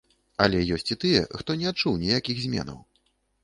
Але ёсць і тыя, хто не адчуў ніякіх зменаў.